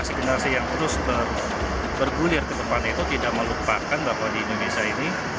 misi kita adalah supaya masyarakat generasi generasi yang terus bergulir ke depan itu tidak melupakan bahwa di indonesia ini